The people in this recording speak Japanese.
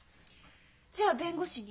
じゃあ弁護士に？